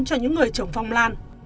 cho những người trồng phong lan